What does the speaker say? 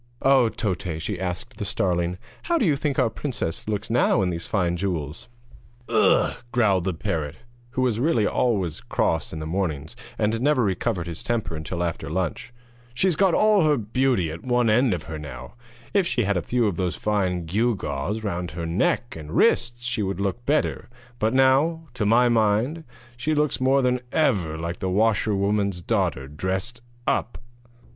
'Oh, Toté,' asked the starling, 'how do you think our princess looks now in these fine jewels?' 'Ugh!' growled the parrot, who was really always cross in the mornings, and never recovered his temper until after lunch, 'she's got all her beauty at one end of her now; if she had a few of those fine gew gaws round her neck and wrists she would look better; but now, to my mind, she looks more than ever like the washerwoman's daughter dressed up.'